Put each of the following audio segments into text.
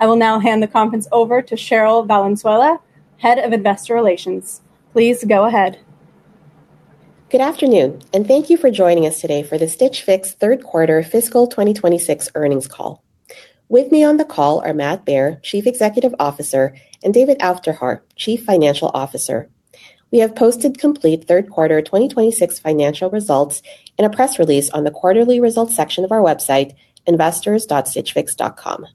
I will now hand the conference over to Cherryl Valenzuela, Head of Investor Relations. Please go ahead. Good afternoon, and thank you for joining us today for the Stitch Fix third quarter fiscal 2026 earnings call. With me on the call are Matt Baer, Chief Executive Officer, and David Aufderhaar, Chief Financial Officer. We have posted complete third quarter 2026 financial results in a press release on the quarterly results section of our website, investors.stitchfix.com.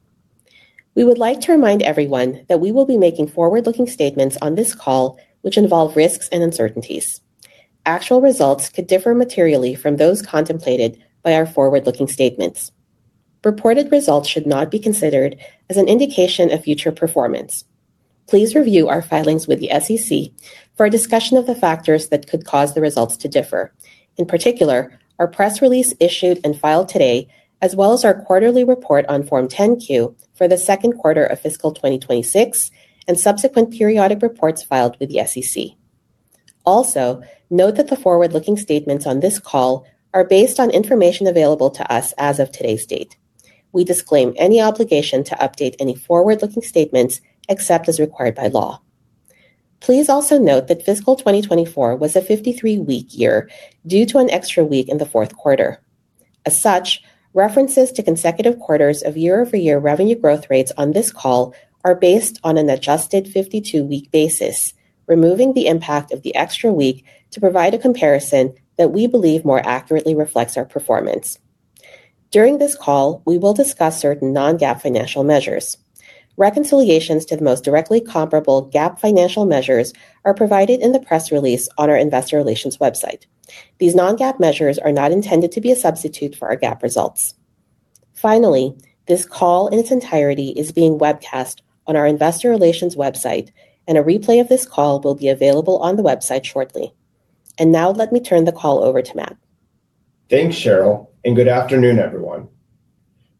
We would like to remind everyone that we will be making forward-looking statements on this call, which involve risks and uncertainties. Actual results could differ materially from those contemplated by our forward-looking statements. Reported results should not be considered as an indication of future performance. Please review our filings with the SEC for a discussion of the factors that could cause the results to differ, in particular, our press release issued and filed today, as well as our quarterly report on Form 10-Q for the second quarter of fiscal 2026 and subsequent periodic reports filed with the SEC. Also, note that the forward-looking statements on this call are based on information available to us as of today's date. We disclaim any obligation to update any forward-looking statements, except as required by law. Please also note that fiscal 2024 was a 53-week year due to an extra week in the fourth quarter. As such, references to consecutive quarters of year-over-year revenue growth rates on this call are based on an adjusted 52-week basis, removing the impact of the extra week to provide a comparison that we believe more accurately reflects our performance. During this call, we will discuss certain non-GAAP financial measures. Reconciliations to the most directly comparable GAAP financial measures are provided in the press release on our investor relations website. These non-GAAP measures are not intended to be a substitute for our GAAP results. Finally, this call in its entirety is being webcast on our Investor Relations website, and a replay of this call will be available on the website shortly. Now let me turn the call over to Matt. Thanks, Cherryl, and good afternoon, everyone.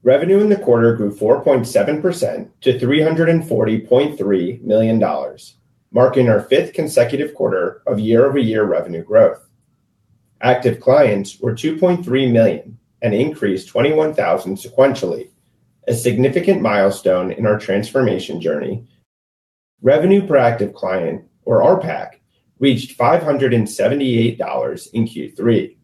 Revenue in the quarter grew 4.7% to $340.3 million, marking our fifth consecutive quarter of year-over-year revenue growth. Active clients were 2.3 million and increased 21,000 sequentially, a significant milestone in our transformation journey. Revenue per active client, or RPAC, reached $578 in Q3,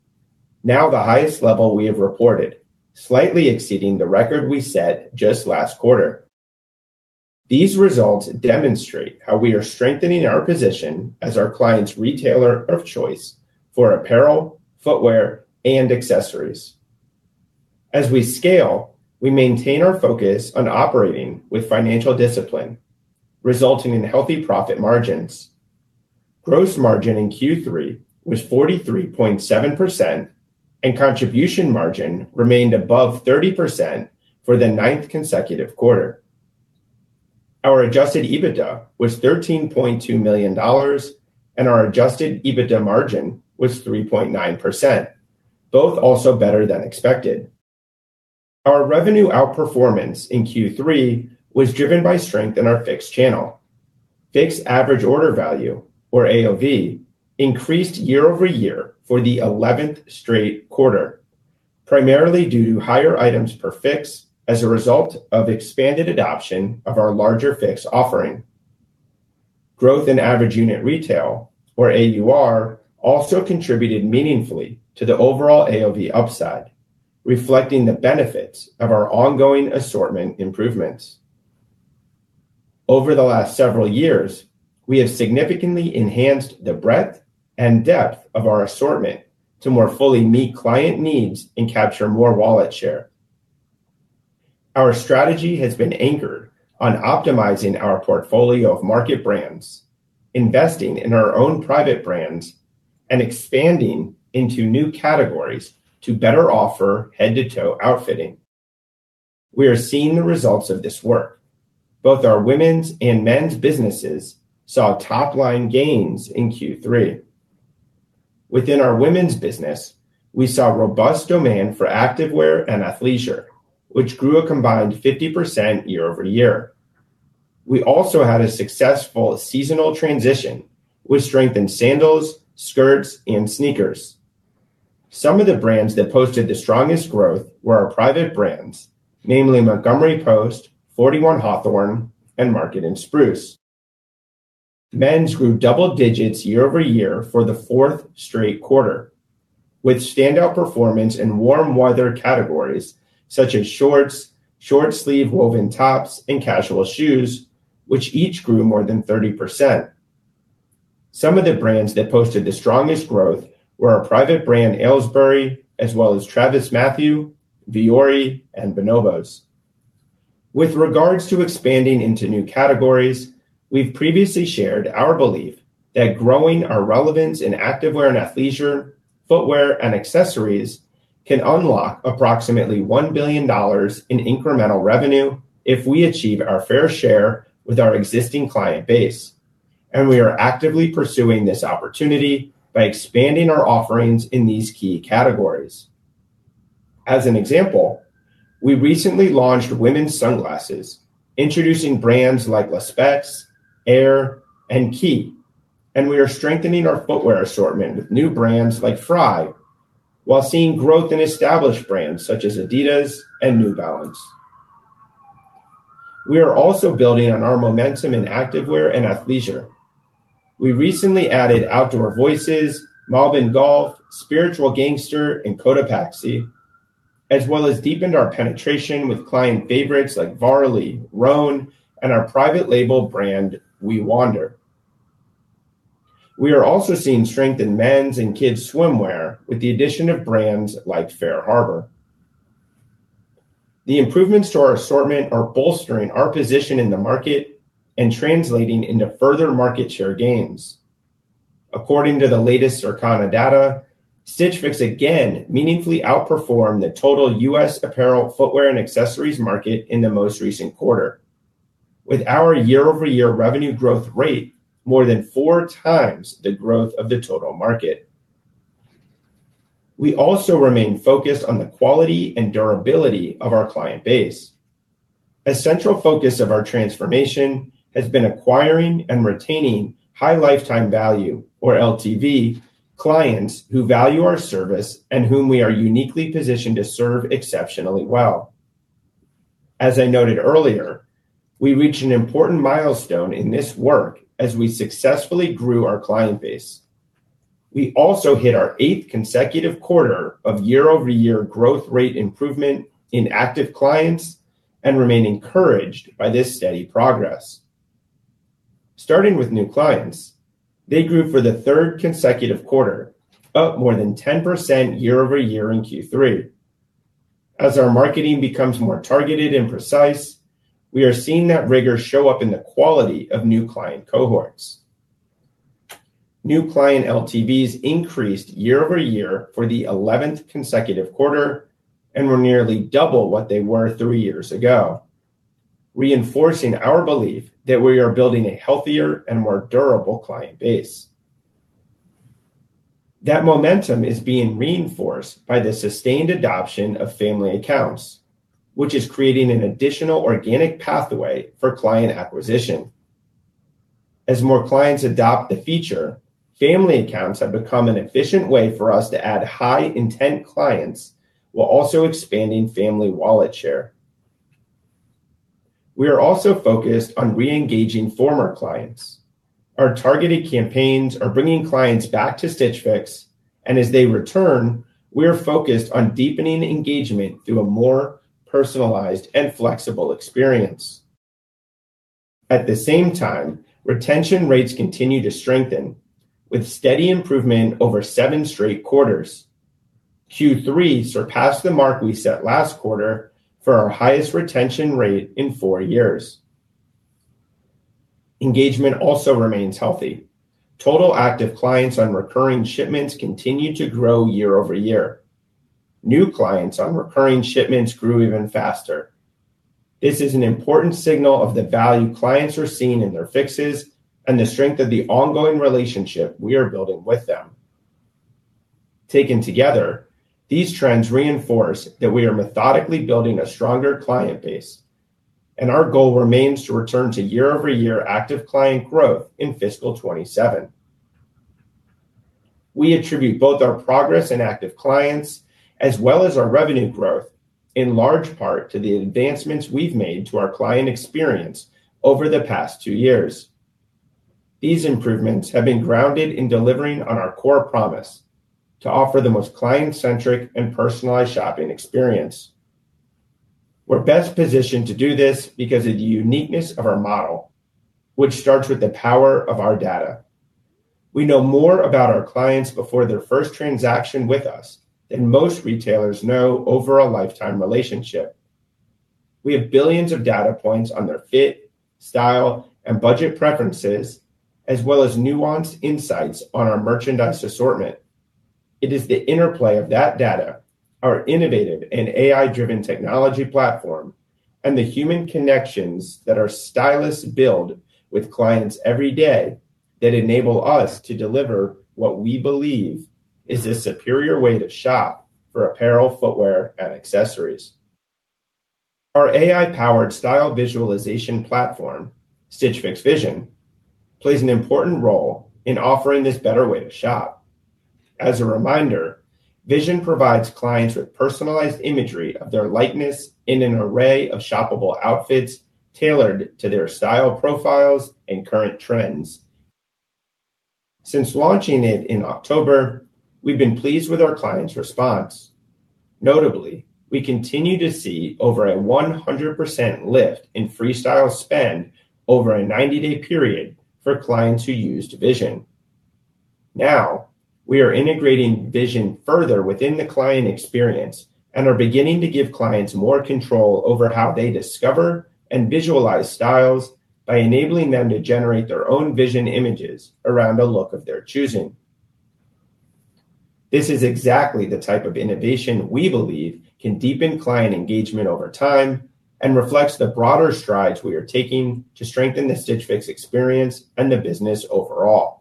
now the highest level we have reported, slightly exceeding the record we set just last quarter. These results demonstrate how we are strengthening our position as our clients' retailer of choice for apparel, footwear, and accessories. As we scale, we maintain our focus on operating with financial discipline, resulting in healthy profit margins. Gross margin in Q3 was 43.7%, and contribution margin remained above 30% for the ninth consecutive quarter. Our adjusted EBITDA was $13.2 million, and our adjusted EBITDA margin was 3.9%, both also better than expected. Our revenue outperformance in Q3 was driven by strength in our Fix channel. Fix average order value, or AOV, increased year-over-year for the 11th straight quarter, primarily due to higher items per Fix as a result of expanded adoption of our larger Fix offering. Growth in average unit retail, or AUR, also contributed meaningfully to the overall AOV upside, reflecting the benefits of our ongoing assortment improvements. Over the last several years, we have significantly enhanced the breadth and depth of our assortment to more fully meet client needs and capture more wallet share. Our strategy has been anchored on optimizing our portfolio of market brands, investing in our own private brands, and expanding into new categories to better offer head-to-toe outfitting. We are seeing the results of this work. Both our women's and men's businesses saw top-line gains in Q3. Within our women's business, we saw robust demand for activewear and athleisure, which grew a combined 50% year-over-year. We also had a successful seasonal transition, with strength in sandals, skirts, and sneakers. Some of the brands that posted the strongest growth were our private brands, namely Montgomery Post, 41 Hawthorn, and Market & Spruce. Men's grew double digits year-over-year for the fourth straight quarter, with standout performance in warm weather categories such as shorts, short sleeve woven tops, and casual shoes, which each grew more than 30%. Some of the brands that posted the strongest growth were our private brand, Alesbury, as well as TravisMathew, Vuori, and Bonobos. With regards to expanding into new categories, we've previously shared our belief that growing our relevance in activewear and athleisure, footwear, and accessories can unlock approximately $1 billion in incremental revenue if we achieve our fair share with our existing client base, and we are actively pursuing this opportunity by expanding our offerings in these key categories. As an example, we recently launched women's sunglasses, introducing brands like Le Specs, AIRE, and KEEP, and we are strengthening our footwear assortment with new brands like Frye, while seeing growth in established brands such as Adidas and New Balance. We are also building on our momentum in activewear and athleisure. We recently added Outdoor Voices, Malbon Golf, Spiritual Gangster, and Cotopaxi, as well as deepened our penetration with client favorites like Varley, Rhone, and our private label brand, WeWander. We are also seeing strength in men's and kids' swimwear, with the addition of brands like Fair Harbor. The improvements to our assortment are bolstering our position in the market and translating into further market share gains. According to the latest Circana data, Stitch Fix again meaningfully outperformed the total U.S. apparel, footwear, and accessories market in the most recent quarter, with our year-over-year revenue growth rate more than four times the growth of the total market. We also remain focused on the quality and durability of our client base. A central focus of our transformation has been acquiring and retaining high lifetime value, or LTV, clients who value our service and whom we are uniquely positioned to serve exceptionally well. As I noted earlier, we reached an important milestone in this work as we successfully grew our client base. We also hit our eighth consecutive quarter of year-over-year growth rate improvement in active clients and remain encouraged by this steady progress. Starting with new clients, they grew for the third consecutive quarter, up more than 10% year-over-year in Q3. As our marketing becomes more targeted and precise, we are seeing that rigor show up in the quality of new client cohorts. New client LTVs increased year-over-year for the 11th consecutive quarter and were nearly double what they were three years ago, reinforcing our belief that we are building a healthier and more durable client base. That momentum is being reinforced by the sustained adoption of family accounts, which is creating an additional organic pathway for client acquisition. As more clients adopt the feature, family accounts have become an efficient way for us to add high-intent clients while also expanding family wallet share. We are also focused on re-engaging former clients. Our targeted campaigns are bringing clients back to Stitch Fix, and as they return, we're focused on deepening engagement through a more personalized and flexible experience. At the same time, retention rates continue to strengthen, with steady improvement over seven straight quarters. Q3 surpassed the mark we set last quarter for our highest retention rate in four years. Engagement also remains healthy. Total active clients on recurring shipments continue to grow year-over-year. New clients on recurring shipments grew even faster. This is an important signal of the value clients are seeing in their fixes and the strength of the ongoing relationship we are building with them. Taken together, these trends reinforce that we are methodically building a stronger client base, and our goal remains to return to year-over-year active client growth in fiscal 2027. We attribute both our progress in active clients as well as our revenue growth in large part to the advancements we've made to our client experience over the past two years. These improvements have been grounded in delivering on our core promise: to offer the most client-centric and personalized shopping experience. We're best positioned to do this because of the uniqueness of our model, which starts with the power of our data. We know more about our clients before their first transaction with us than most retailers know over a lifetime relationship. We have billions of data points on their fit, style, and budget preferences, as well as nuanced insights on our merchandise assortment. It is the interplay of that data, our innovative and AI-driven technology platform, and the human connections that our stylists build with clients every day that enable us to deliver what we believe is a superior way to shop for apparel, footwear, and accessories. Our AI-powered style visualization platform, Stitch Fix Vision, plays an important role in offering this better way to shop. As a reminder, Vision provides clients with personalized imagery of their likeness in an array of shoppable outfits tailored to their style profiles and current trends. Since launching it in October, we've been pleased with our clients' response. Notably, we continue to see over a 100% lift in Freestyle spend over a 90-day period for clients who used Vision. Now, we are integrating Vision further within the client experience and are beginning to give clients more control over how they discover and visualize styles by enabling them to generate their own Vision images around the look of their choosing. This is exactly the type of innovation we believe can deepen client engagement over time and reflects the broader strides we are taking to strengthen the Stitch Fix experience and the business overall.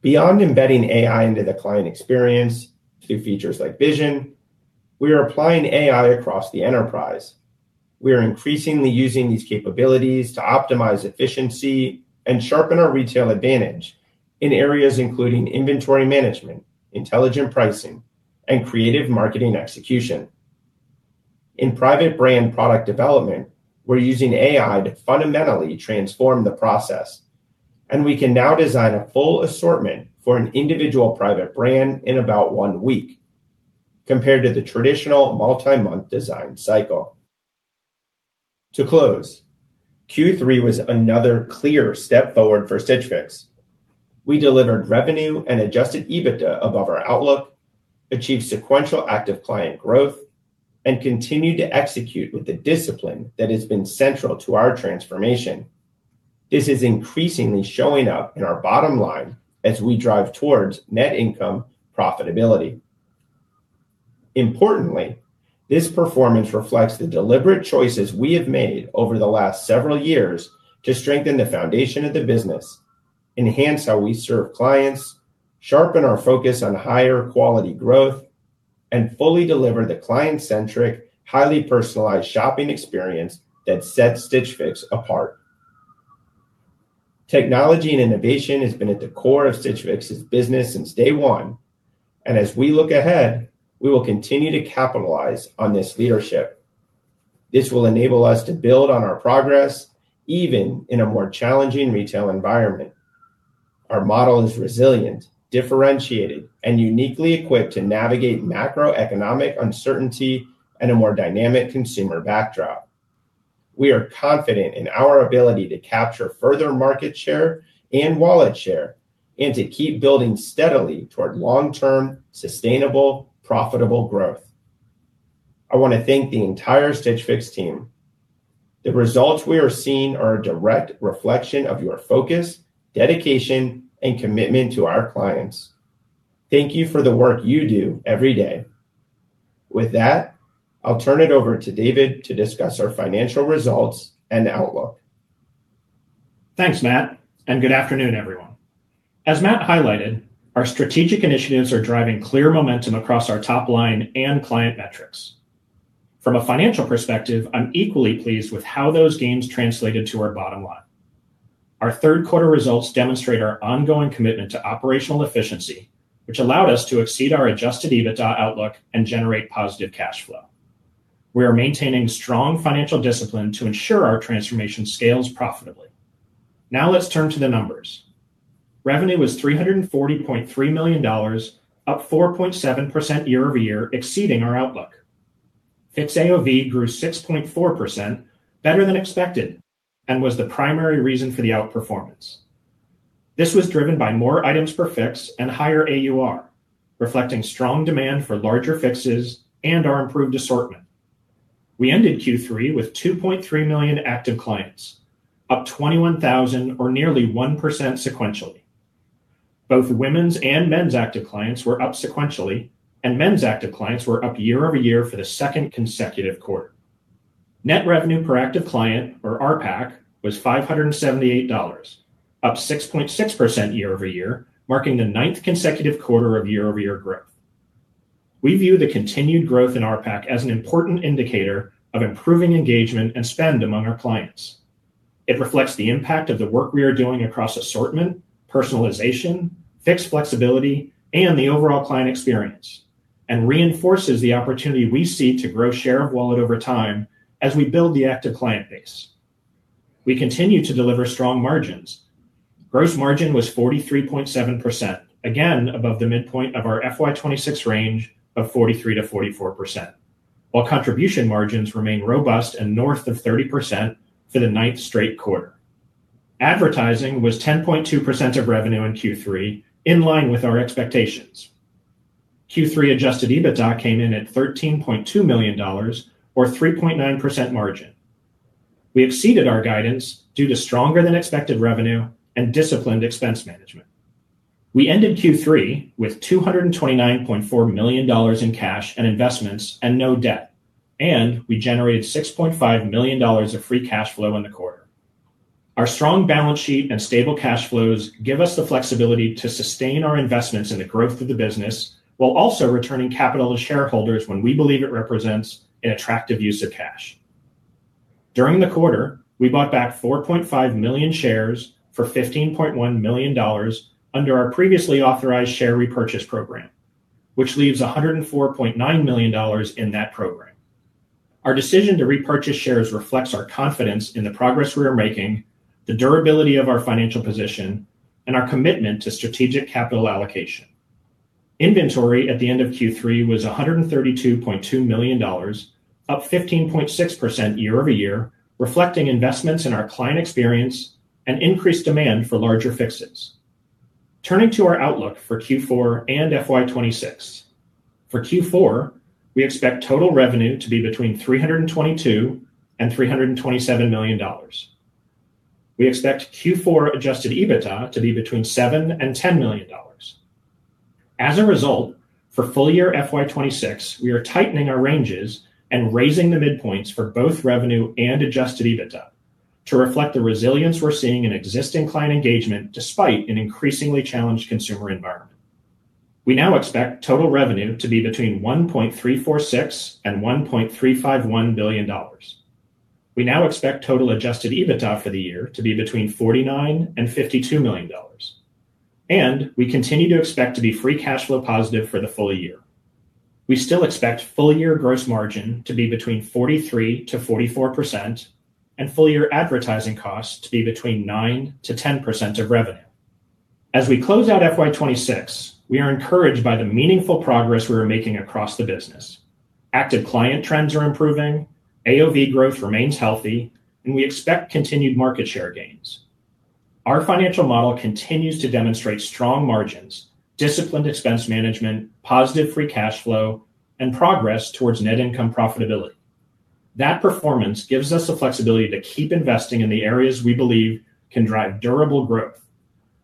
Beyond embedding AI into the client experience through features like Vision. We are applying AI across the enterprise. We are increasingly using these capabilities to optimize efficiency and sharpen our retail advantage in areas including inventory management, intelligent pricing, and creative marketing execution. In private brand product development, we're using AI to fundamentally transform the process, and we can now design a full assortment for an individual private brand in about one week compared to the traditional multi-month design cycle. To close, Q3 was another clear step forward for Stitch Fix. We delivered revenue and adjusted EBITDA above our outlook, achieved sequential active client growth, and continued to execute with the discipline that has been central to our transformation. This is increasingly showing up in our bottom line as we drive towards net income profitability. Importantly, this performance reflects the deliberate choices we have made over the last several years to strengthen the foundation of the business, enhance how we serve clients, sharpen our focus on higher quality growth, and fully deliver the client-centric, highly personalized shopping experience that sets Stitch Fix apart. Technology and innovation has been at the core of Stitch Fix's business since day one. As we look ahead, we will continue to capitalize on this leadership. This will enable us to build on our progress, even in a more challenging retail environment. Our model is resilient, differentiated, and uniquely equipped to navigate macroeconomic uncertainty and a more dynamic consumer backdrop. We are confident in our ability to capture further market share and wallet share, and to keep building steadily toward long-term, sustainable, profitable growth. I want to thank the entire Stitch Fix team. The results we are seeing are a direct reflection of your focus, dedication, and commitment to our clients. Thank you for the work you do every day. With that, I'll turn it over to David to discuss our financial results and outlook. Thanks, Matt, and good afternoon, everyone. As Matt highlighted, our strategic initiatives are driving clear momentum across our top line and client metrics. From a financial perspective, I'm equally pleased with how those gains translated to our bottom line. Our third quarter results demonstrate our ongoing commitment to operational efficiency, which allowed us to exceed our adjusted EBITDA outlook and generate positive cash flow. We are maintaining strong financial discipline to ensure our transformation scales profitably. Now, let's turn to the numbers. Revenue was $340.3 million, up 4.7% year-over-year, exceeding our outlook. Fix AOV grew 6.4%, better than expected, and was the primary reason for the outperformance. This was driven by more items per fix and higher AUR, reflecting strong demand for larger fixes and our improved assortment. We ended Q3 with 2.3 million active clients, up 21,000 or nearly 1% sequentially. Both women's and men's active clients were up sequentially, and men's active clients were up year-over-year for the second consecutive quarter. Net revenue per active client, or RPAC, was $578, up 6.6% year-over-year, marking the ninth consecutive quarter of year-over-year growth. We view the continued growth in RPAC as an important indicator of improving engagement and spend among our clients. It reflects the impact of the work we are doing across assortment, personalization, Fix flexibility, and the overall client experience, and reinforces the opportunity we see to grow share of wallet over time as we build the active client base. We continue to deliver strong margins. Gross margin was 43.7%, again above the midpoint of our FY 2026 range of 43%-44%, while contribution margins remain robust and north of 30% for the ninth straight quarter. Advertising was 10.2% of revenue in Q3, in line with our expectations. Q3 adjusted EBITDA came in at $13.2 million, or 3.9% margin. We exceeded our guidance due to stronger than expected revenue and disciplined expense management. We ended Q3 with $229.4 million in cash and investments and no debt, and we generated $6.5 million of free cash flow in the quarter. Our strong balance sheet and stable cash flows give us the flexibility to sustain our investments in the growth of the business while also returning capital to shareholders when we believe it represents an attractive use of cash. During the quarter, we bought back 4.5 million shares for $15.1 million under our previously authorized share repurchase program, which leaves $104.9 million in that program. Our decision to repurchase shares reflects our confidence in the progress we are making, the durability of our financial position, and our commitment to strategic capital allocation. Inventory at the end of Q3 was $132.2 million, up 15.6% year-over-year, reflecting investments in our client experience and increased demand for larger fixes. Turning to our outlook for Q4 and FY 2026. For Q4, we expect total revenue to be between $322 million-$327 million. We expect Q4 adjusted EBITDA to be between $7 million-$10 million. As a result, for full-year FY 2026, we are tightening our ranges and raising the midpoints for both revenue and adjusted EBITDA to reflect the resilience we're seeing in existing client engagement despite an increasingly challenged consumer environment. We now expect total revenue to be between $1.346 billion-$1.351 billion. We now expect total adjusted EBITDA for the year to be between $49 million and $52 million. We continue to expect to be free cash flow positive for the full-year. We still expect full-year gross margin to be between 43%-44%, and full-year advertising costs to be between 9%-10% of revenue. As we close out FY 2026, we are encouraged by the meaningful progress we are making across the business. Active client trends are improving, AOV growth remains healthy, and we expect continued market share gains. Our financial model continues to demonstrate strong margins, disciplined expense management, positive free cash flow, and progress towards net income profitability. That performance gives us the flexibility to keep investing in the areas we believe can drive durable growth,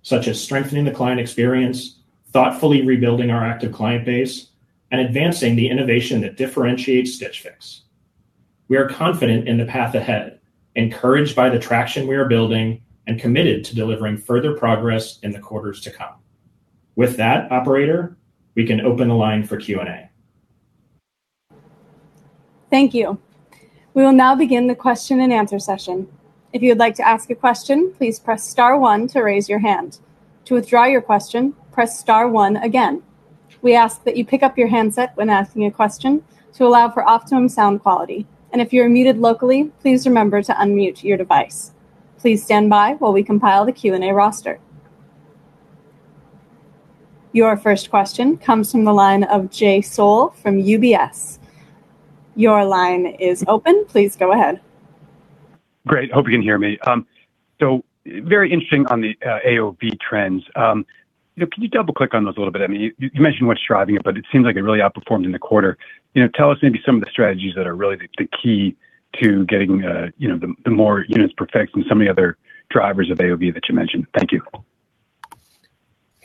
such as strengthening the client experience, thoughtfully rebuilding our active client base, and advancing the innovation that differentiates Stitch Fix. We are confident in the path ahead, encouraged by the traction we are building, and committed to delivering further progress in the quarters to come. With that, operator, we can open the line for Q&A. Thank you. We will now begin the question and answer session. If you would like to ask a question, please press star one to raise your hand. To withdraw your question, press star one again. We ask that you pick up your handset when asking a question to allow for optimum sound quality. If you're muted locally, please remember to unmute your device. Please stand by while we compile the Q&A roster. Your first question comes from the line of Jay Sole from UBS. Your line is open. Please go ahead. Great. Hope you can hear me. Very interesting on the AOV trends. Can you double-click on those a little bit? You mentioned what's driving it, but it seems like it really outperformed in the quarter. Tell us maybe some of the strategies that are really the key to getting the more units per Fix and some of the other drivers of AOV that you mentioned. Thank you.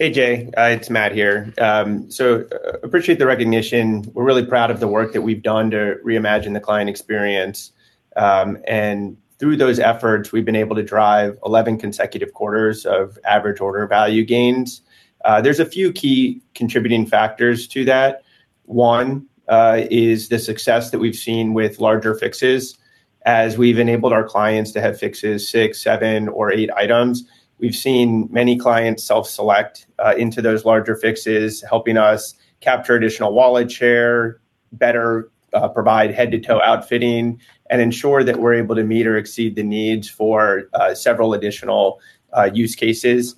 Hey, Jay. It's Matt here. Appreciate the recognition. We're really proud of the work that we've done to reimagine the client experience. Through those efforts, we've been able to drive 11 consecutive quarters of average order value gains. There's a few key contributing factors to that. One is the success that we've seen with larger Fixes. As we've enabled our clients to have Fixes six, seven, or eight items, we've seen many clients self-select into those larger Fixes, helping us capture additional wallet share, better provide head-to-toe outfitting, and ensure that we're able to meet or exceed the needs for several additional use cases.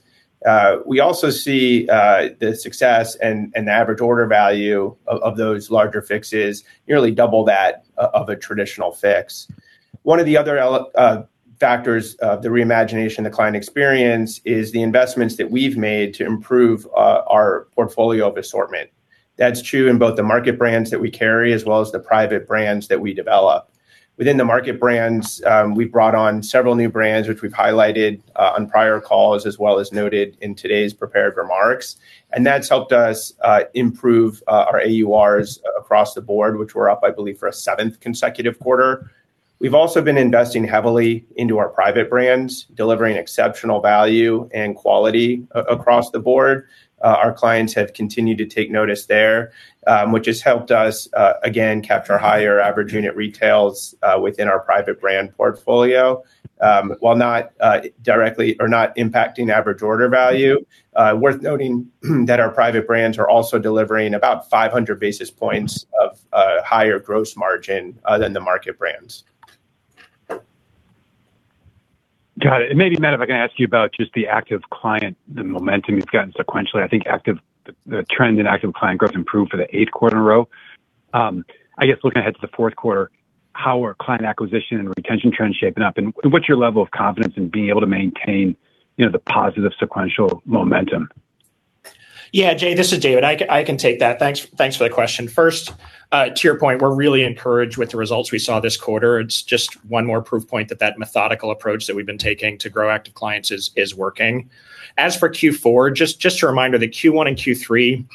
We also see the success and the average order value of those larger Fixes nearly double that of a traditional Fix. One of the other factors of the reimagination of the client experience is the investments that we've made to improve our portfolio of assortment. That's true in both the market brands that we carry, as well as the private brands that we develop. Within the market brands, we've brought on several new brands, which we've highlighted on prior calls, as well as noted in today's prepared remarks. That's helped us improve our AURs across the board, which we're up, I believe, for a seventh consecutive quarter. We've also been investing heavily into our private brands, delivering exceptional value and quality across the board. Our clients have continued to take notice there, which has helped us, again, capture higher average unit retails within our private brand portfolio. While not directly or not impacting average order value, worth noting that our private brands are also delivering about 500 basis points of higher gross margin than the market brands. Got it. Maybe, Matt, if I can ask you about just the active client, the momentum you've gotten sequentially. I think the trend in active client growth improved for the eighth quarter in a row. I guess looking ahead to the fourth quarter, how are client acquisition and retention trends shaping up, and what's your level of confidence in being able to maintain the positive sequential momentum? Yeah, Jay, this is David. I can take that. Thanks for the question. First, to your point, we're really encouraged with the results we saw this quarter. It's just one more proof point that methodical approach that we've been taking to grow active clients is working. As for Q4, just to remind you that Q1 and Q3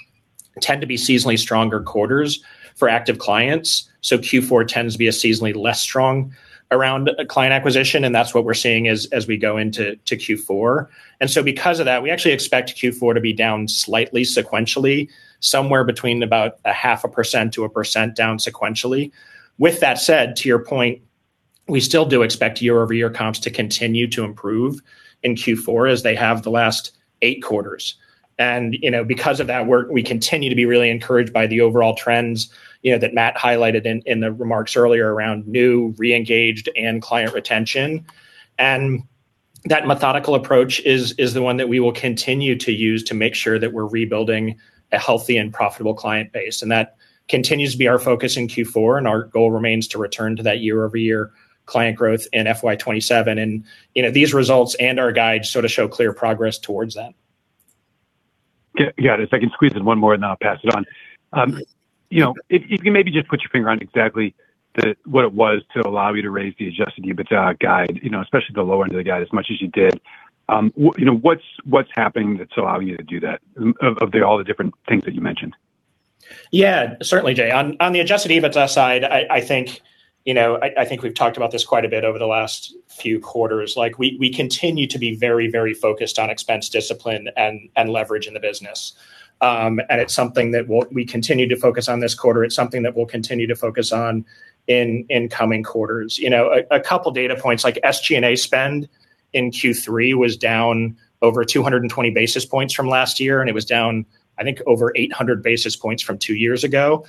tend to be seasonally stronger quarters for active clients. Q4 tends to be a seasonally less strong around client acquisition, and that's what we're seeing as we go into Q4. Because of that, we actually expect Q4 to be down slightly sequentially, somewhere between about a half a percent to a percent down sequentially. With that said, to your point, we still do expect year-over-year comps to continue to improve in Q4 as they have the last eight quarters. Because of that work, we continue to be really encouraged by the overall trends that Matt highlighted in the remarks earlier around new, re-engaged, and client retention. That methodical approach is the one that we will continue to use to make sure that we're rebuilding a healthy and profitable client base. That continues to be our focus in Q4, and our goal remains to return to that year-over-year client growth in FY 2027. These results and our guide show clear progress towards that. Yeah. If I can squeeze in one more, and then I'll pass it on. If you can maybe just put your finger on exactly what it was to allow you to raise the adjusted EBITDA guide, especially the lower end of the guide as much as you did. What's happening that's allowing you to do that, of all the different things that you mentioned? Yeah, certainly, Jay. On the adjusted EBITDA side, I think we've talked about this quite a bit over the last few quarters. We continue to be very, very focused on expense discipline and leverage in the business. It's something that we continue to focus on this quarter. It's something that we'll continue to focus on in coming quarters. A couple data points, like SG&A spend in Q3 was down over 220 basis points from last year, it was down, I think, over 800 basis points from two years ago.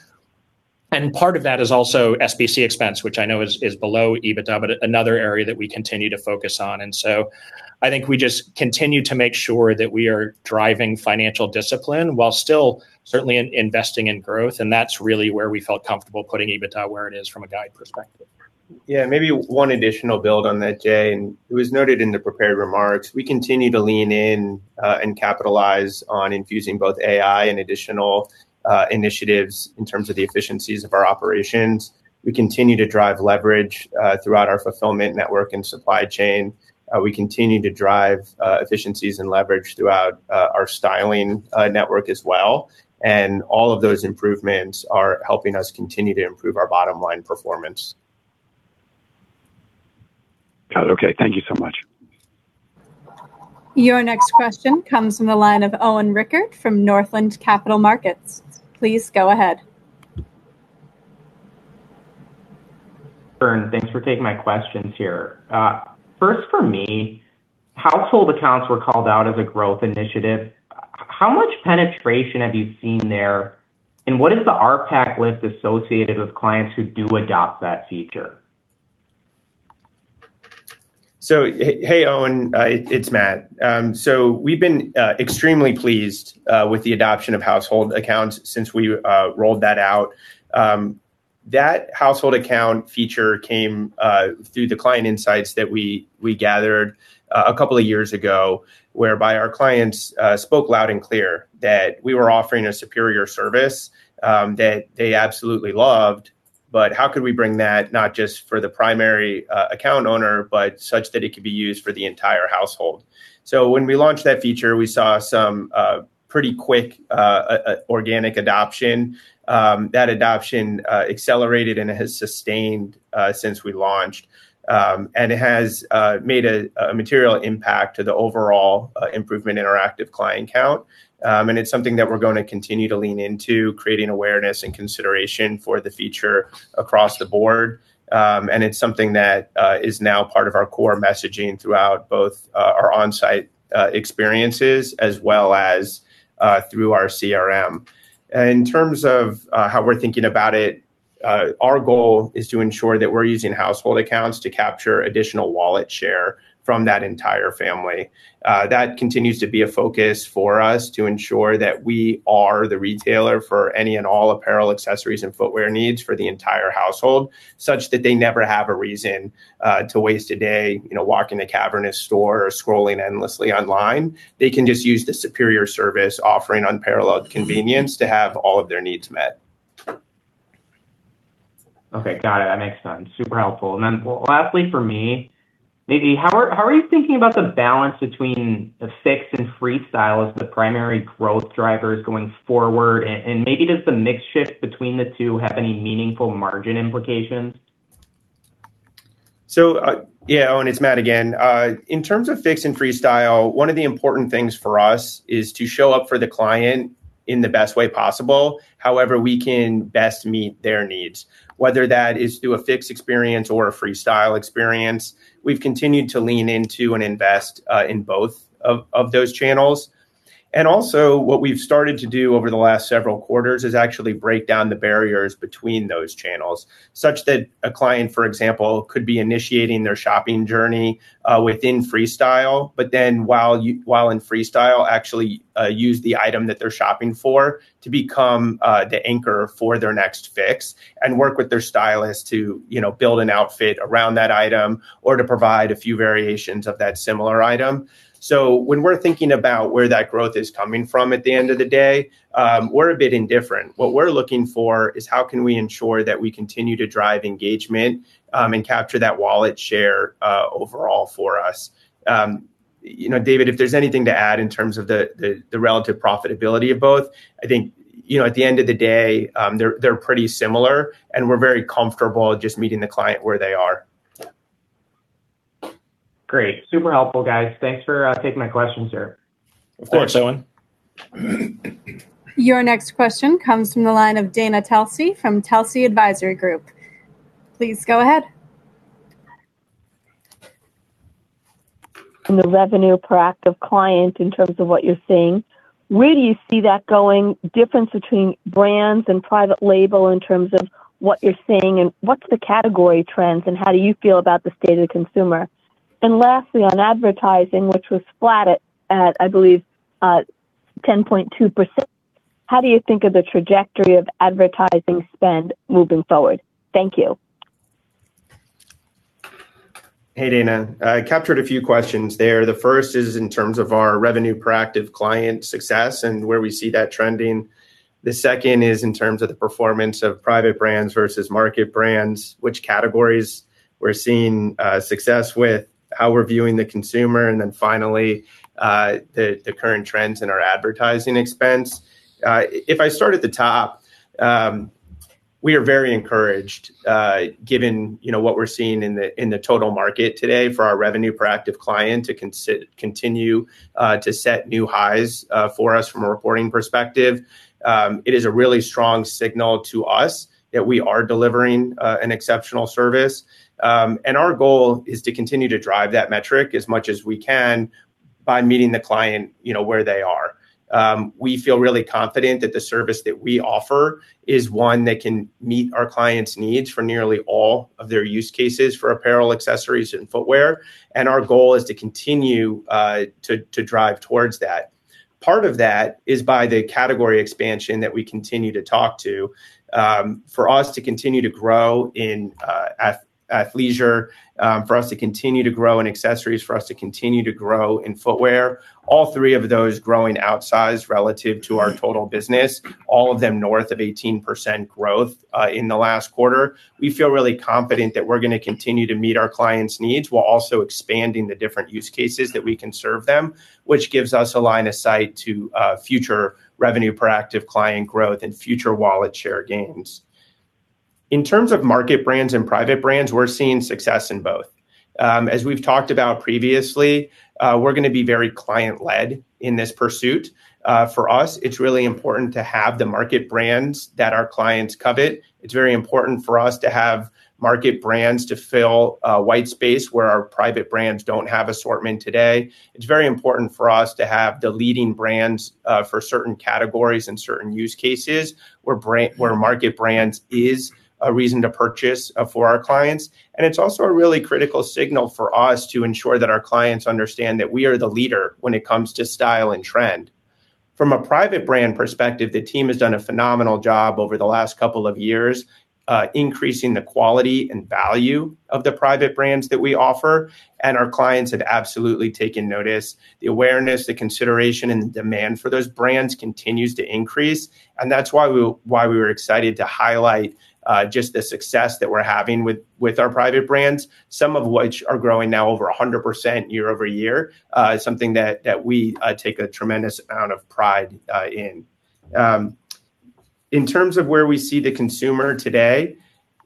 Part of that is also SBC expense, which I know is below EBITDA, but another area that we continue to focus on. I think we just continue to make sure that we are driving financial discipline while still certainly investing in growth, and that's really where we felt comfortable putting EBITDA where it is from a guide perspective. Yeah, maybe one additional build on that, Jay, and it was noted in the prepared remarks. We continue to lean in and capitalize on infusing both AI and additional initiatives in terms of the efficiencies of our operations. We continue to drive leverage throughout our fulfillment network and supply chain. We continue to drive efficiencies and leverage throughout our styling network as well, and all of those improvements are helping us continue to improve our bottom line performance. Got it. Okay. Thank you so much. Your next question comes from the line of Owen Rickard from Northland Capital Markets. Please go ahead. Owen, thanks for taking my questions here. First for me, household accounts were called out as a growth initiative. How much penetration have you seen there, and what is the RPAC list associated with clients who do adopt that feature? Hey, Owen. It's Matt. We've been extremely pleased with the adoption of household accounts since we rolled that out. That household account feature came through the client insights that we gathered a couple of years ago, whereby our clients spoke loud and clear that we were offering a superior service that they absolutely loved, but how could we bring that, not just for the primary account owner, but such that it could be used for the entire household? When we launched that feature, we saw some pretty quick organic adoption. That adoption accelerated and it has sustained since we launched. It has made a material impact to the overall improvement in our active client count. It's something that we're going to continue to lean into, creating awareness and consideration for the feature across the board. It's something that is now part of our core messaging throughout both our on-site experiences as well as through our CRM. In terms of how we're thinking about it, our goal is to ensure that we're using household accounts to capture additional wallet share from that entire family. That continues to be a focus for us to ensure that we are the retailer for any and all apparel, accessories, and footwear needs for the entire household, such that they never have a reason to waste a day walking a cavernous store or scrolling endlessly online. They can just use the superior service offering unparalleled convenience to have all of their needs met. Okay. Got it. That makes sense. Super helpful. Then lastly for me, maybe how are you thinking about the balance between the Fix and Freestyle as the primary growth drivers going forward? Maybe does the mix shift between the two have any meaningful margin implications? Yeah, Owen, it's Matt again. In terms of Fix and Freestyle, one of the important things for us is to show up for the client in the best way possible, however we can best meet their needs. Whether that is through a Fix experience or a Freestyle experience, we've continued to lean into and invest in both of those channels. Also, what we've started to do over the last several quarters is actually break down the barriers between those channels, such that a client, for example, could be initiating their shopping journey within Freestyle, but then while in Freestyle, actually use the item that they're shopping for to become the anchor for their next Fix, and work with their stylist to build an outfit around that item or to provide a few variations of that similar item. When we're thinking about where that growth is coming from at the end of the day, we're a bit indifferent. What we're looking for is how can we ensure that we continue to drive engagement and capture that wallet share overall for us. David, if there's anything to add in terms of the relative profitability of both, I think, at the end of the day, they're pretty similar, and we're very comfortable just meeting the client where they are. Great. Super helpful, guys. Thanks for taking my questions here. Of course, Owen. Your next question comes from the line of Dana Telsey from Telsey Advisory Group. Please go ahead. On the revenue per active client in terms of what you're seeing, where do you see that going, difference between brands and private label in terms of what you're seeing, what's the category trends, and how do you feel about the state of the consumer? Lastly, on advertising, which was flat at, I believe, 10.2%, how do you think of the trajectory of advertising spend moving forward? Thank you. Hey, Dana. I captured a few questions there. The first is in terms of our revenue per active client success and where we see that trending. The second is in terms of the performance of private brands versus market brands, which categories we're seeing success with, how we're viewing the consumer, and then finally, the current trends in our advertising expense. If I start at the top. We are very encouraged, given what we're seeing in the total market today for our revenue per active client to continue to set new highs for us from a reporting perspective. It is a really strong signal to us that we are delivering an exceptional service. Our goal is to continue to drive that metric as much as we can by meeting the client where they are. We feel really confident that the service that we offer is one that can meet our clients' needs for nearly all of their use cases for apparel, accessories, and footwear. Our goal is to continue to drive towards that. Part of that is by the category expansion that we continue to talk to, for us to continue to grow in athleisure, for us to continue to grow in accessories, for us to continue to grow in footwear. All three of those growing outsized relative to our total business, all of them north of 18% growth in the last quarter. We feel really confident that we're going to continue to meet our clients' needs while also expanding the different use cases that we can serve them, which gives us a line of sight to future revenue per active client growth and future wallet share gains. In terms of market brands and private brands, we're seeing success in both. As we've talked about previously, we're going to be very client-led in this pursuit. For us, it's really important to have the market brands that our clients covet. It's very important for us to have market brands to fill a white space where our private brands don't have assortment today. It's very important for us to have the leading brands for certain categories and certain use cases, where market brands is a reason to purchase for our clients. It's also a really critical signal for us to ensure that our clients understand that we are the leader when it comes to style and trend. From a private brand perspective, the team has done a phenomenal job over the last couple of years, increasing the quality and value of the private brands that we offer, and our clients have absolutely taken notice. The awareness, the consideration, and the demand for those brands continues to increase, and that's why we were excited to highlight just the success that we're having with our private brands, some of which are growing now over 100% year-over-year. Something that we take a tremendous amount of pride in. In terms of where we see the consumer today,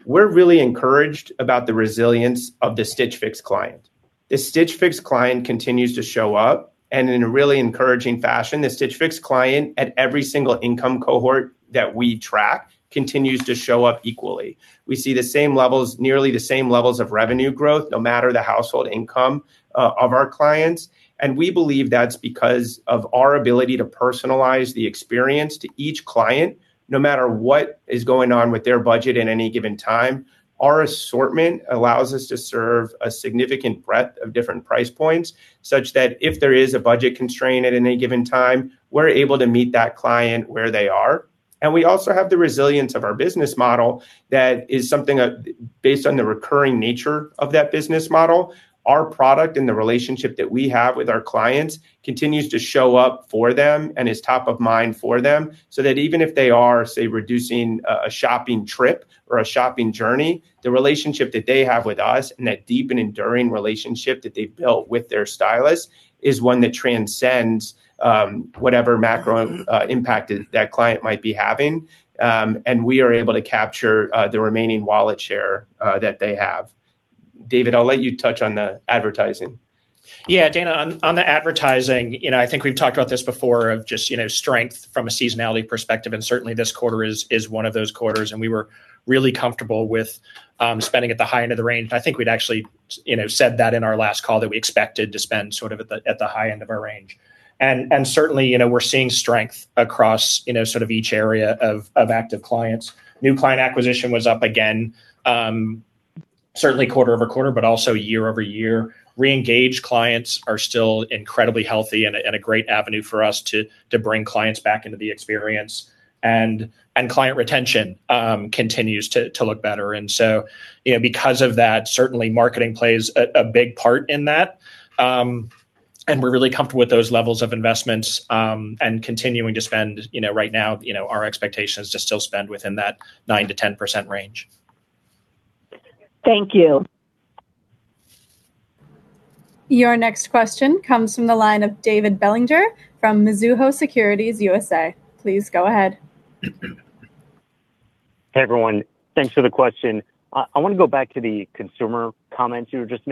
we're really encouraged about the resilience of the Stitch Fix client. The Stitch Fix client continues to show up, and in a really encouraging fashion. The Stitch Fix client, at every single income cohort that we track, continues to show up equally. We see nearly the same levels of revenue growth, no matter the household income of our clients. We believe that's because of our ability to personalize the experience to each client, no matter what is going on with their budget at any given time. Our assortment allows us to serve a significant breadth of different price points, such that if there is a budget constraint at any given time, we're able to meet that client where they are. We also have the resilience of our business model that is something based on the recurring nature of that business model. Our product and the relationship that we have with our clients continues to show up for them and is top of mind for them, so that even if they are, say, reducing a shopping trip or a shopping journey, the relationship that they have with us, and that deep and enduring relationship that they've built with their stylist, is one that transcends whatever macro impact that client might be having. We are able to capture the remaining wallet share that they have. David, I'll let you touch on the advertising. Yeah, Dana, on the advertising, I think we've talked about this before, of just strength from a seasonality perspective, certainly this quarter is one of those quarters, we were really comfortable with spending at the high end of the range. I think we'd actually said that in our last call that we expected to spend sort of at the high end of our range. Certainly, we're seeing strength across each area of active clients. New client acquisition was up again, certainly quarter-over-quarter, but also year-over-year. Re-engaged clients are still incredibly healthy and a great avenue for us to bring clients back into the experience, client retention continues to look better. Because of that, certainly marketing plays a big part in that. We're really comfortable with those levels of investments, continuing to spend. Right now, our expectation is to still spend within that 9%-10% range. Thank you. Your next question comes from the line of David Bellinger from Mizuho Securities USA. Please go ahead. Hey, everyone. Thanks for the question. I want to go back to the consumer comments you were just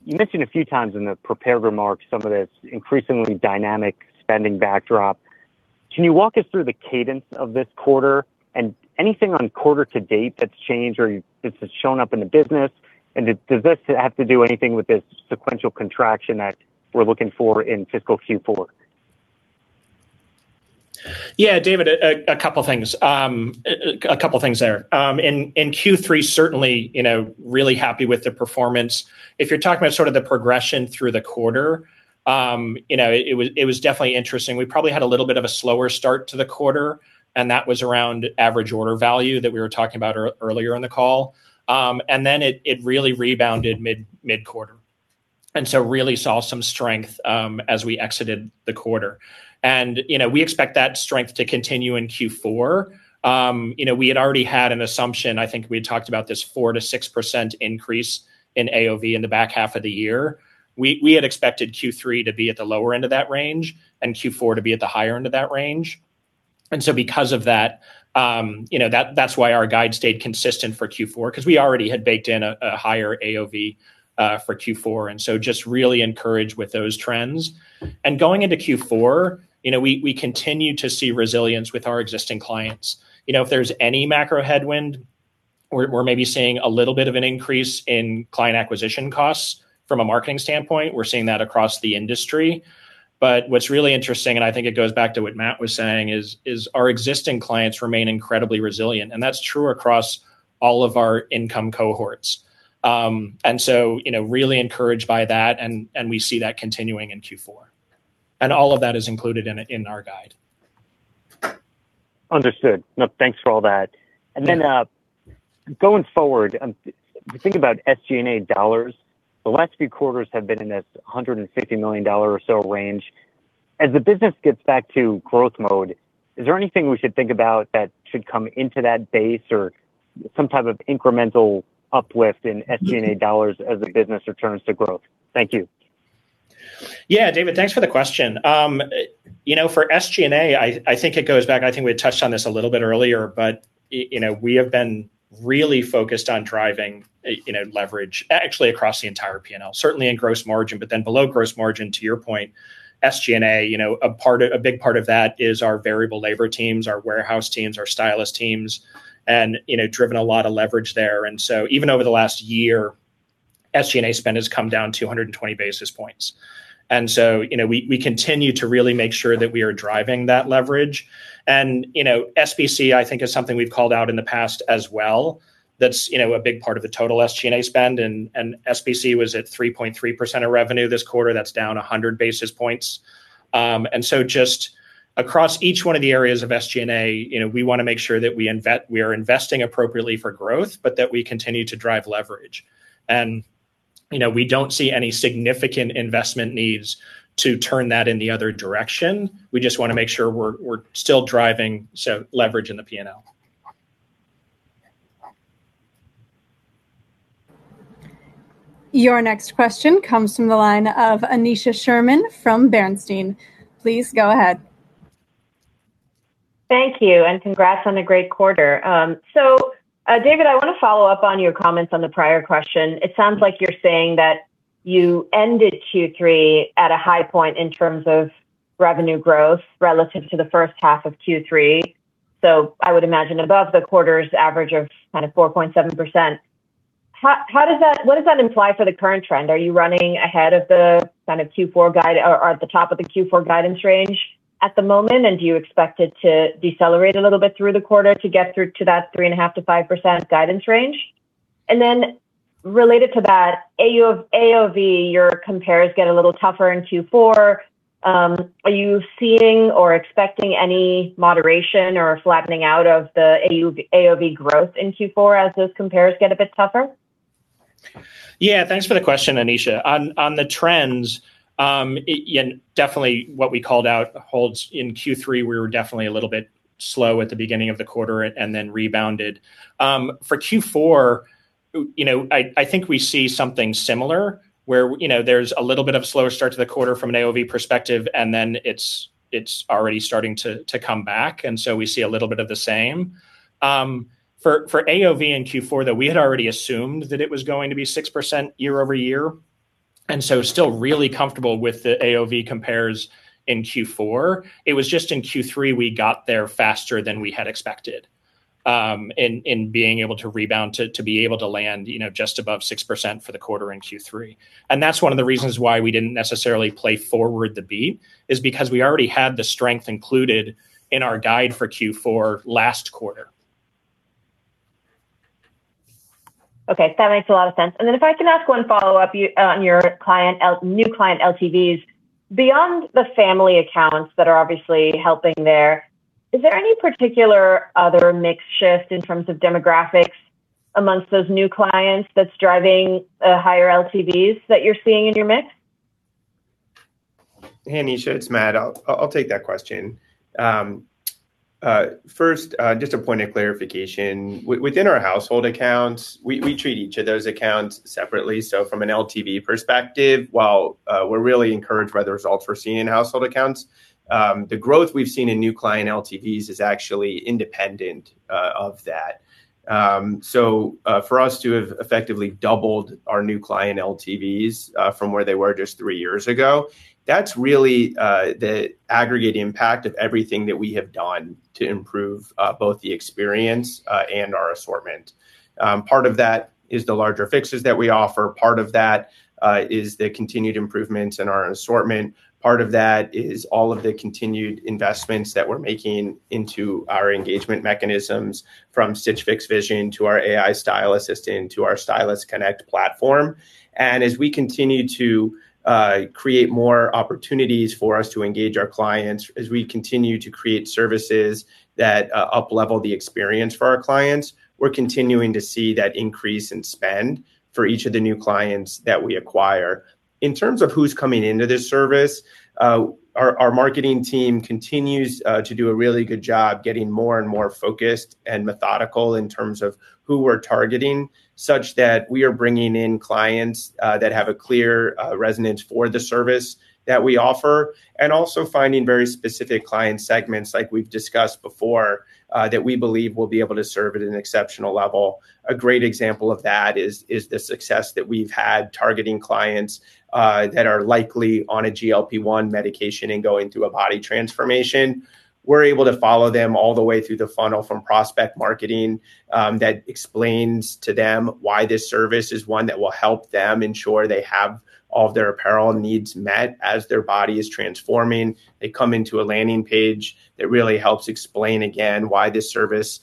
making. You mentioned a few times in the prepared remarks some of this increasingly dynamic spending backdrop. Can you walk us through the cadence of this quarter, and anything on quarter to date that's changed or that has shown up in the business? Does this have to do anything with this sequential contraction that we're looking for in fiscal Q4? Yeah, David, a couple things there. In Q3, certainly, really happy with the performance. If you're talking about sort of the progression through the quarter, it was definitely interesting. We probably had a little bit of a slower start to the quarter, and that was around average order value that we were talking about earlier in the call. It really rebounded mid-quarter, and so really saw some strength as we exited the quarter. We expect that strength to continue in Q4. We had already had an assumption, I think we had talked about this 4%-6% increase in AOV in the back half of the year. We had expected Q3 to be at the lower end of that range and Q4 to be at the higher end of that range. Because of that's why our guide stayed consistent for Q4, because we already had baked in a higher AOV for Q4. Just really encouraged with those trends. Going into Q4, we continue to see resilience with our existing clients. If there's any macro headwind, we're maybe seeing a little bit of an increase in client acquisition costs from a marketing standpoint. We're seeing that across the industry. What's really interesting, and I think it goes back to what Matt was saying is, our existing clients remain incredibly resilient, and that's true across all of our income cohorts. Really encouraged by that, and we see that continuing in Q4. All of that is included in our guide. Understood. No, thanks for all that. Going forward, if you think about SG&A dollars, the last few quarters have been in this $150 million or so range. As the business gets back to growth mode, is there anything we should think about that should come into that base or some type of incremental uplift in SG&A dollars as the business returns to growth? Thank you. David, thanks for the question. For SG&A, we had touched on this a little bit earlier, we have been really focused on driving leverage, actually across the entire P&L. Certainly in gross margin, below gross margin, to your point, SG&A, a big part of that is our variable labor teams, our warehouse teams, our stylist teams, driven a lot of leverage there. Even over the last year, SG&A spend has come down 220 basis points. We continue to really make sure that we are driving that leverage. SBC is something we've called out in the past as well. That's a big part of the total SG&A spend, SBC was at 3.3% of revenue this quarter. That's down 100 basis points. Just across each one of the areas of SG&A, we want to make sure that we are investing appropriately for growth, that we continue to drive leverage. We don't see any significant investment needs to turn that in the other direction. We just want to make sure we're still driving leverage in the P&L. Your next question comes from the line of Aneesha Sherman from Bernstein. Please go ahead. Thank you, congrats on a great quarter. David, I want to follow up on your comments on the prior question. It sounds like you're saying that you ended Q3 at a high point in terms of revenue growth relative to the first half of Q3. I would imagine above the quarter's average of 4.7%. What does that imply for the current trend? Are you running ahead of the Q4 guide or at the top of the Q4 guidance range at the moment? Do you expect it to decelerate a little bit through the quarter to get through to that 3.5%-5% guidance range? Related to that, AOV, your compares get a little tougher in Q4. Are you seeing or expecting any moderation or flattening out of the AOV growth in Q4 as those compares get a bit tougher? Thanks for the question, Aneesha. On the trends, definitely what we called out holds in Q3, we were definitely a little bit slow at the beginning of the quarter and then rebounded. For Q4, I think we see something similar where there's a little bit of a slower start to the quarter from an AOV perspective, and then it's already starting to come back, and so we see a little bit of the same. For AOV in Q4, though, we had already assumed that it was going to be 6% year-over-year, and so still really comfortable with the AOV compares in Q4. It was just in Q3, we got there faster than we had expected in being able to rebound to be able to land just above 6% for the quarter in Q3. That's one of the reasons why we didn't necessarily play forward the beat, is because we already had the strength included in our guide for Q4 last quarter. Okay, that makes a lot of sense. If I can ask one follow-up on your new client LTVs. Beyond the family accounts that are obviously helping there, is there any particular other mix shift in terms of demographics amongst those new clients that's driving higher LTVs that you're seeing in your mix? Hey, Aneesha, it's Matt. I'll take that question. First, just a point of clarification. Within our household accounts, we treat each of those accounts separately. From an LTV perspective, while we're really encouraged by the results we're seeing in household accounts, the growth we've seen in new client LTVs is actually independent of that. For us to have effectively doubled our new client LTVs, from where they were just three years ago, that's really the aggregate impact of everything that we have done to improve both the experience and our assortment. Part of that is the larger Fixes that we offer. Part of that is the continued improvements in our assortment. Part of that is all of the continued investments that we're making into our engagement mechanisms, from Stitch Fix Vision to our AI style assistant to our Stylist Connect platform. As we continue to create more opportunities for us to engage our clients, as we continue to create services that uplevel the experience for our clients, we're continuing to see that increase in spend for each of the new clients that we acquire. In terms of who's coming into this service, our marketing team continues to do a really good job getting more and more focused and methodical in terms of who we're targeting, such that we are bringing in clients that have a clear resonance for the service that we offer, and also finding very specific client segments, like we've discussed before, that we believe we'll be able to serve at an exceptional level. A great example of that is the success that we've had targeting clients that are likely on a GLP-1 medication and going through a body transformation. We're able to follow them all the way through the funnel from prospect marketing, that explains to them why this service is one that will help them ensure they have all of their apparel needs met as their body is transforming. They come into a landing page that really helps explain, again, why this service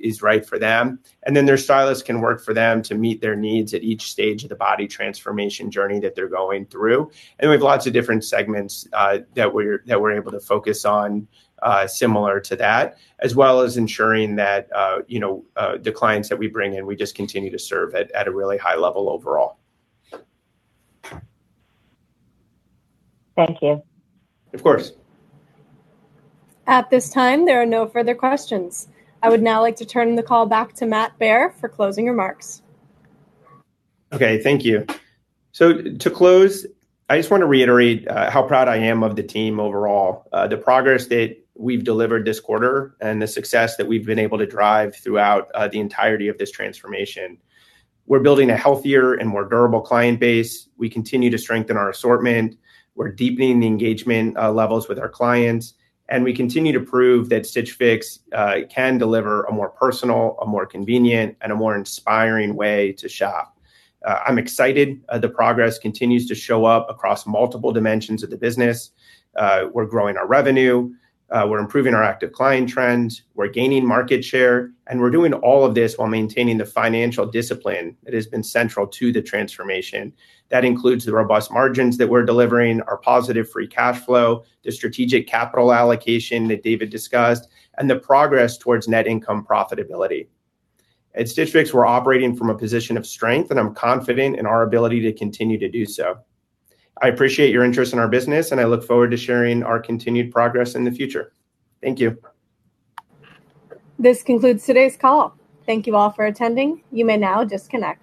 is right for them, and then their stylist can work for them to meet their needs at each stage of the body transformation journey that they're going through. We have lots of different segments that we're able to focus on similar to that, as well as ensuring that the clients that we bring in, we just continue to serve at a really high level overall. Thank you. Of course. At this time, there are no further questions. I would now like to turn the call back to Matt Baer for closing remarks. Okay. Thank you. To close, I just want to reiterate how proud I am of the team overall, the progress that we've delivered this quarter, and the success that we've been able to drive throughout the entirety of this transformation. We're building a healthier and more durable client base. We continue to strengthen our assortment. We're deepening the engagement levels with our clients, and we continue to prove that Stitch Fix can deliver a more personal, a more convenient, and a more inspiring way to shop. I'm excited the progress continues to show up across multiple dimensions of the business. We're growing our revenue. We're improving our active client trends. We're gaining market share, and we're doing all of this while maintaining the financial discipline that has been central to the transformation. That includes the robust margins that we're delivering, our positive free cash flow, the strategic capital allocation that David discussed, and the progress towards net income profitability. At Stitch Fix, we're operating from a position of strength, and I'm confident in our ability to continue to do so. I appreciate your interest in our business, and I look forward to sharing our continued progress in the future. Thank you. This concludes today's call. Thank you all for attending. You may now disconnect.